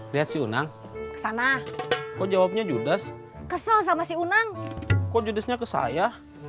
lihat si unang kesana kok jawabnya judes kesel sama si unang kok judusnya ke saya